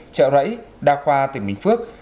dạo rẫy đa khoa tỉnh bình phước